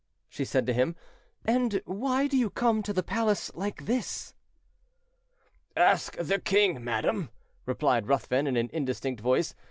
she said to him; "and why do you come to the palace like this?" "Ask the king, madam," replied Ruthven in an indistinct voice.